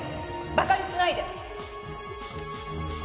馬鹿にしないで！